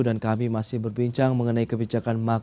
dan kami masih berbincang mengenai kebijakan makro